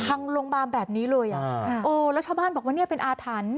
พังโรงบาลแบบนี้เลยอ่ะอ่าโอ้แล้วชาวบ้านบอกว่าเนี้ยเป็นอาทัน